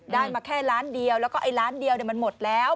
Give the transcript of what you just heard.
ได้มาแค่ล้านเดียวแล้วก็ไอ้ล้านเดียวมันหมดแล้ว